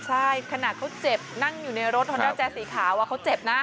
ใช่ขนาดเขาเจ็บนั่งอยู่ในรถฮอนด้าแจ๊สีขาวเขาเจ็บนะ